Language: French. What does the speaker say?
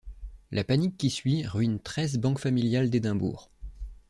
La panique qui suit ruine treize banques familiales d'Édimbourg.